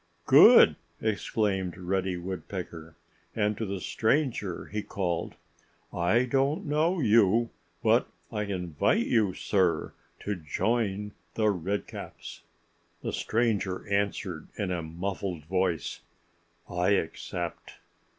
"Good!" exclaimed Reddy Woodpecker. And to the stranger he called, "I don't know you. But I invite you, sir, to join The Redcaps." The stranger answered in a muffled voice, "I accept."